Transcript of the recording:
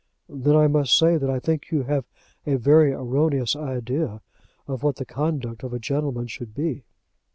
"Then I must say that I think you have a very erroneous idea of what the conduct of a gentleman should be."